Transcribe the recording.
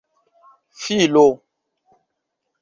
filo